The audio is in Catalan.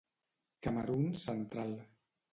Camerun central.